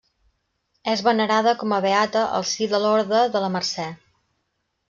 És venerada com a beata al si de l'Orde de la Mercè.